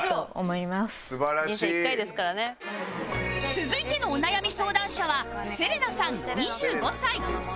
続いてのお悩み相談者はセレナさん２５歳